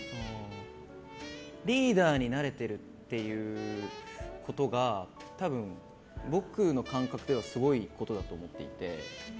リーダーになれてるっていうことが多分、僕の感覚ではすごいことだと思っていて。